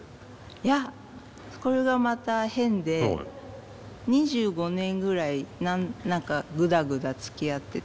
いやこれがまた変で２５年ぐらい何かグダグダつきあってて。